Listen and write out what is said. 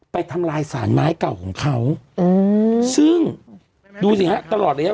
ทำลายสารไม้เก่าของเขาอืมซึ่งดูสิฮะตลอดระยะ